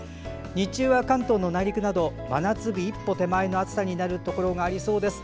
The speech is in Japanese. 日中は、関東の内陸など真夏日一歩手前の暑さになるところがありそうです。